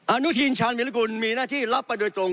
อานุทีชาญเวลากุลมีหน้าที่รับประโยชน์ตรง